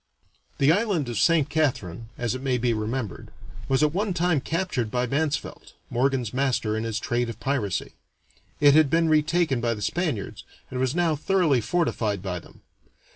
The island of Saint Catharine, as it may be remembered, was at one time captured by Mansvelt, Morgan's master in his trade of piracy. It had been retaken by the Spaniards, and was now thoroughly fortified by them.